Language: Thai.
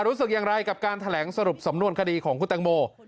รู้สึกอย่างไรกับการแถลงสรุปสำนวนคดีของคุณตังโม